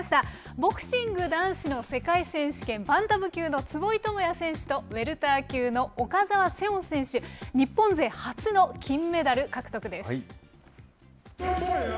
ボクシング男子の世界選手権バンタム級の坪井智也選手と、ウエルター級の岡澤セオン選手、日本勢初の金メダル獲得です。